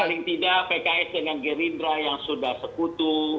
paling tidak pks dengan gerindra yang sudah sekutu